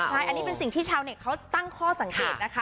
ใช่อันนี้เป็นสิ่งที่ชาวเน็ตเขาตั้งข้อสังเกตนะคะ